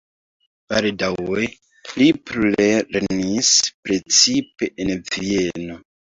Baldaŭe li plulernis precipe en Vieno.